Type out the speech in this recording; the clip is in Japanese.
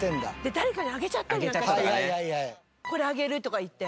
誰かにあげちゃったりなんかして「これあげる」とか言って。